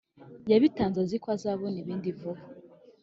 yabitanze aziko azabona ibindi vuba